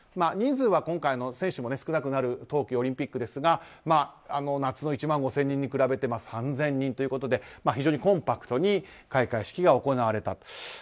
人数は今回も選手の少なくなる冬季オリンピックですが夏の１万５０００人に比べて３０００人ということで非常にコンパクトに開会式が行われたと。